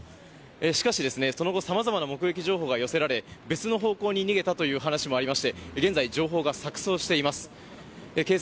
しかし、その後さまざまな目撃情報が寄せられ別の方向に逃げたという話もありまして現在、情報が錯綜しています。